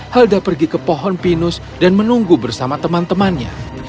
helda pergi ke pohon pinus dan menunggu bersama teman temannya